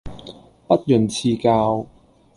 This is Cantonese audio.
不吝賜教